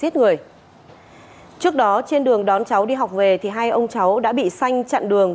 trước đó trên đường đón cháu đi học về thì hai ông cháu đã bị xanh chặn đường